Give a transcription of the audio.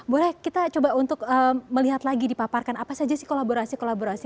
boleh kita coba untuk melihat lagi dipaparkan apa saja sih kolaborasi kolaborasi